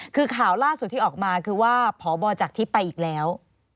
คือข่าวล่าสุดที่ออกมาคือว่าพบจากทิพย์ไปอีกแล้ว